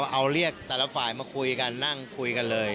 เอาเรียกแต่ละฝ่ายมาคุยกันนั่งคุยกันเลย